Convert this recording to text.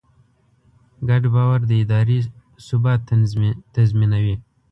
ګډ باور د ادارې ثبات تضمینوي.